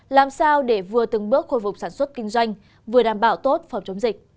làm sao để vừa từng bước khôi phục sản xuất kinh doanh vừa đảm bảo tốt phòng chống dịch